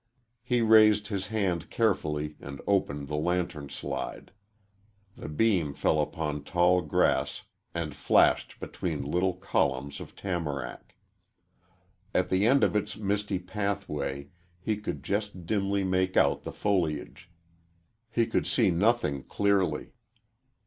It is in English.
He raised his hand carefully and opened the lantern slide. The beam fell upon tall grass and flashed between little columns of tamarack. At the end of its misty pathway he could just dimly make out the foliage. He could see nothing clearly.